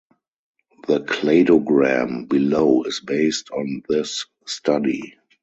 The cladogram below is based on this study.